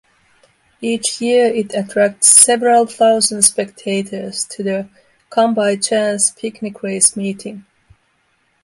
Each year it attracts several thousand spectators to the "Come-By-Chance Picnic Race Meeting".